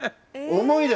重いです。